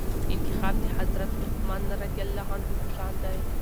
انتخاب د حضرت عثمان رضي الله عنه په شان دئ.